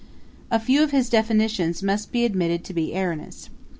] A few of his definitions must be admitted to be erroneous.